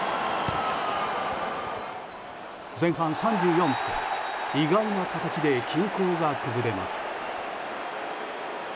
前半３４分、意外な形で均衡が崩れます。